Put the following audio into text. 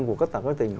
của các tảng các tỉnh